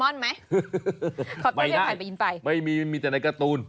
ครอปเตอร์เรียกถ่ายไปยินไฟไม่ง่ายไม่มีมีแต่ในการ์ตูน